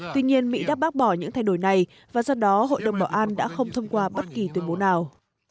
tuy nhiên mỹ đã bác bỏ những thay đổi này và do đó hội đồng bảo an đã không thông qua bất kỳ tuyên bố nào